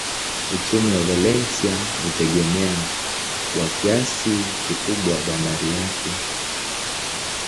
Uchumi wa Valencia hutegemea kwa kiasi kikubwa bandari yake.